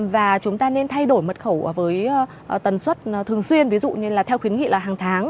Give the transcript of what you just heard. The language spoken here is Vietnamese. và chúng ta nên thay đổi mật khẩu với tần suất thường xuyên ví dụ như là theo khuyến nghị là hàng tháng